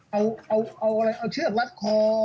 เอาเชือกรัดคอ